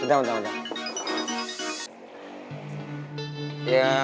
tunggu tunggu tunggu